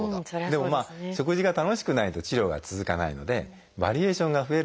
でも食事が楽しくないと治療が続かないのでバリエーションが増えるのはいいことですね。